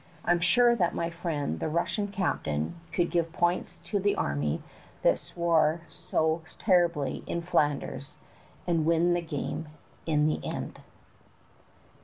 I'm sure that my friend the Russian cap tain could give points to the army that swore so terribly in Flanders, and win the game in the end.